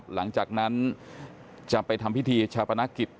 หลังจากนั้นจะไปทำพิธีชาปนกิจ